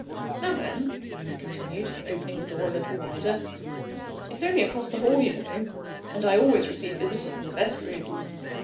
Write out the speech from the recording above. "Now then," he continued, opening the door a little wider, "it's only across the hall, you know; and I always receive visitors in the best room."